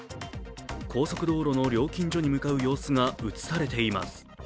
高速道路の料金所に向かう様子が映されています。